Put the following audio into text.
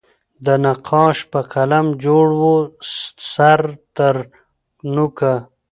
د نقاش په قلم جوړ وو سر ترنوکه